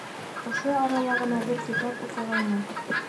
Ошо арала ғына бер китап уҡығайным.